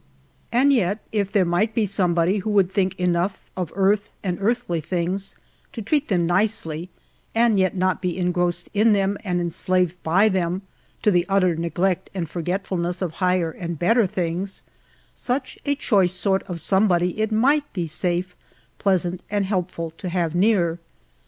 And yet if there might be a somebody who would think enough of earth and earthly things to treat them nicely, and yet not be engrossed in them and enslaved by them, to the utter neglect and forgetfnlness of higher and better things, such a choice sort of somebody it might be safe, pleasant, and helpful to have near.